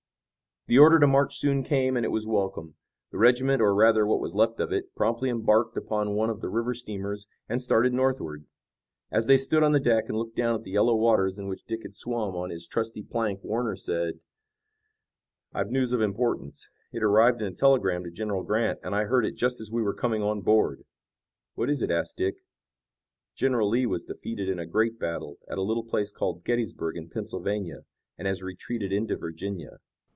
The order to march soon came, and it was welcome. The regiment, or rather what was left of it, promptly embarked upon one of the river steamers and started northward. As they stood on the deck and looked down at the yellow waters in which Dick had swum on his trusty plank Warner said: "I've news of importance. It arrived in a telegram to General Grant, and I heard it just as we were coming on board." "What is it?" asked Dick. "General Lee was defeated in a great battle at a little place called Gettysburg in Pennsylvania, and has retreated into Virginia."